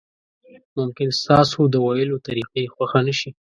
ممکن ستاسو د ویلو طریقه یې خوښه نشي.